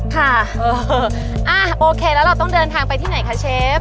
ค่ะโอเคแล้วเราต้องเดินทางไปที่ไหนคะเชฟ